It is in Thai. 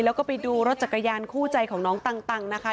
แล้วก็ไปดูรถจักรยานคู่ใจของน้องตังนะคะ